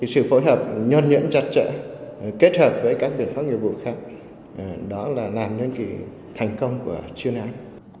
sự phối hợp nhuận nhẫn chặt chẽ kết hợp với các biện pháp nghiệp vụ khác đó là làm những thành công của chuyên án